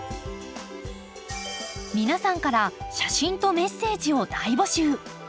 皆さんから写真とメッセージを大募集！